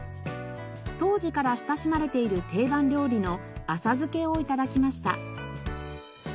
当時から親しまれている定番料理の浅漬けを頂きました。